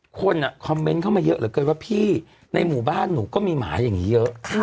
คนคอมเมนต์เข้ามาเยอะเหลือเกินว่าพี่ในหมู่บ้านหนูก็มีหมาอย่างนี้เยอะ